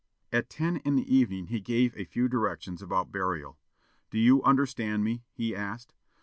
At ten in the evening he gave a few directions about burial. "Do you understand me?" he asked.